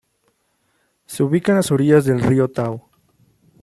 Se ubica en las orillas del Río Tao.